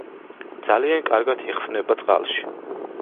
ძალიან კარგად იხსნება წყალში.